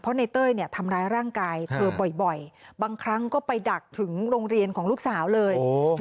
เพราะในเต้ยเนี่ยทำร้ายร่างกายเธอบ่อยบางครั้งก็ไปดักถึงโรงเรียนของลูกสาวเลย